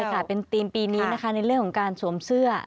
ใช่ค่ะเป็นธีมปีนี้นะคะในเรื่องของการสวมเสื้อ